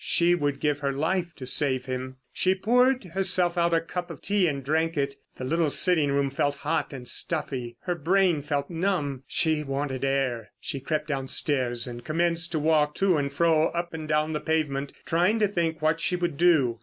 She would give her life to save him. She poured herself out a cup of tea and drank it. The little sitting room felt hot and stuffy, her brain felt numb, she wanted air. She crept downstairs and commenced to walk to and fro up and down the pavement trying to think what she would do.